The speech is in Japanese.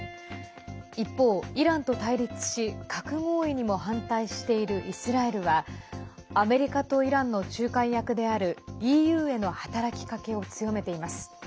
一方、イランと対立し核合意にも反対しているイスラエルはアメリカとイランの仲介役であるＥＵへの働きかけを強めています。